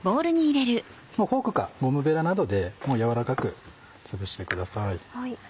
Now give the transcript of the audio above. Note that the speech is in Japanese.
フォークかゴムベラなどでやわらかくつぶしてください。